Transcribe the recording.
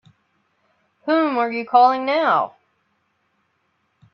Whom are you calling now?